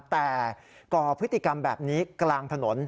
แต่ก่อพฤติกรรมแบบนี้กลางถนน